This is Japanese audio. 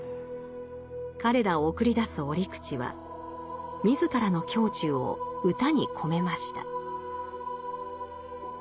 彼らを送り出す折口は自らの胸中を歌に込めました。